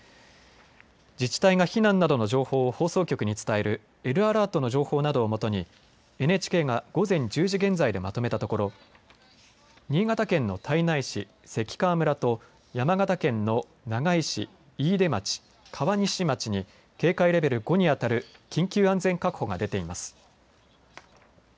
自治体が避難などの情報を放送局に伝えるＬアラートの情報などを基にＮＨＫが午前１０時現在でまとめたところ新潟県の胎内市、関川村と山形県の長井市、飯豊町、川西町に警戒レベル５にあたる緊急安全確保が出ています。